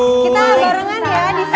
kita barengan ya di sana